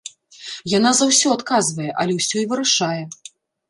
Яна за ўсё адказвае, але ўсё і вырашае.